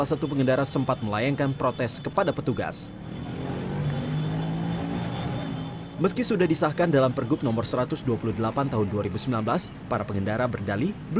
hentik kita ambil tempat tempat yang rawan untuk dilakukan pelagaran itu nanti ada perjalanan